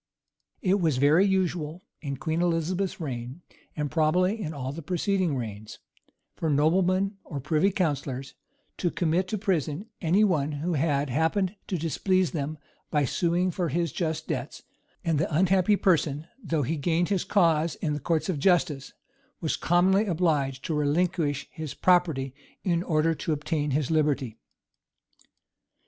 It was very usual in Queen Elizabeth's reign, and probably in all the preceding reigns, for noblemen or privy counsellors to commit to prison any one who had happened to displease them by suing for his just debts; and the unhappy person, though he gained his cause in the courts of justice, was commonly obliged to relinquish his property in order to obtain his liberty.